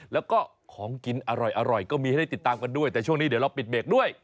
แล้วก็ของกินอร่อยก็มีให้ได้ติดตามกันด้วยแต่ช่วงนี้เดี๋ยวเราปิดเบรกด้วย